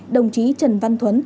đồng chí trần văn thuấn